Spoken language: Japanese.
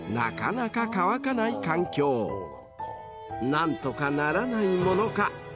［何とかならないものか］